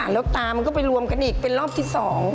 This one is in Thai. แล้วตามันก็ไปรวมกันอีกเป็นรอบที่๒